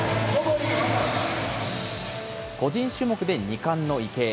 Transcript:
個人種目で２冠の池江。